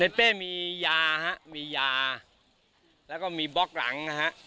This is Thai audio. ในเป้มียามียาแล้วก็มีบล็อกหลัง